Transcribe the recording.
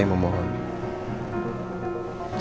ya meskipun keputusan juga